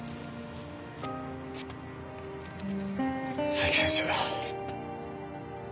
佐伯先生。